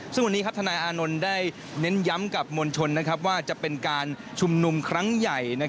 ซึ่งวันนี้ทนายอานนท์ได้เน้นย้ำกับมวลชนว่าจะเป็นการชุมนุมครั้งใหญ่